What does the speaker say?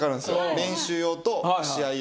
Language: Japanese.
練習用と試合用で。